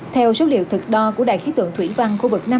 theo số liệu thực đo của đài khí tượng thủy văn